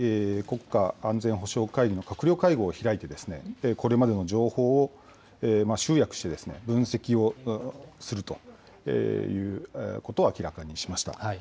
直ちにＮＳＣ・国家安全保障会議の閣僚会合を開いて、これまでの情報を集約して、分析をするということを明らかにしました。